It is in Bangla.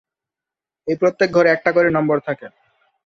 এই প্রত্যেক ঘরে একটা করে নম্বর থাকে।